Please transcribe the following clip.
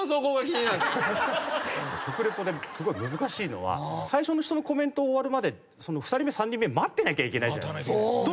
食リポですごい難しいのは最初の人のコメント終わるまで２人目３人目待ってなきゃいけない。